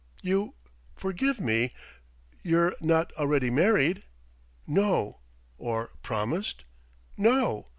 "You forgive me you're not already married?" "No...." "Or promised?" "No...."